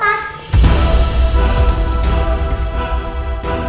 berbagi baik baik saja